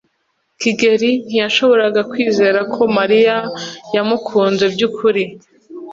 Kigeri ntiyashoboraga kwizera ko Mariya yamukunze by'ukuri.